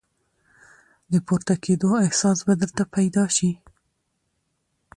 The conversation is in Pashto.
د پورته کېدو احساس به درته پیدا شي !